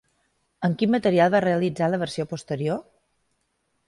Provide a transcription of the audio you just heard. En quin material va realitzar la versió posterior?